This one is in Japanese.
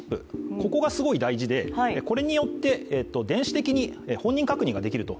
ここがすごく大事で、これによって電子的に本人確認ができると。